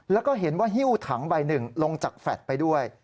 แล้วก็เห็นว่าหิ้วถังใบหนึ่งลงจากแฟลตไปด้วย